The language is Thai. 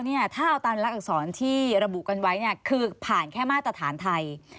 ถ้าเอาตามลักษรที่ระบุกันไว้คือผ่านแค่มาตรฐานไทย